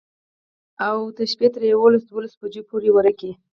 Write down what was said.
او د شپي تر يوولس دولسو بجو پورې ورقې.